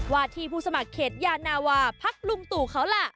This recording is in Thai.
ที่ผู้สมัครเขตยานาวาพักลุงตู่เขาล่ะ